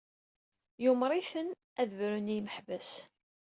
Yumeṛ-iten ad d-brun i imeḥbas.